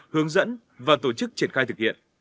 hướng dẫn và tổ chức triển khai thực hiện